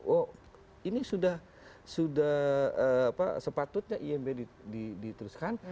oh ini sudah sepatutnya imb diteruskan